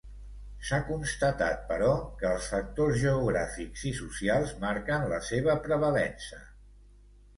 S'ha constatat, però, que els factors geogràfics i socials marquen la seva prevalença.